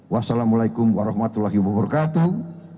wassalamualaikum warahmatullahi wabarakatuh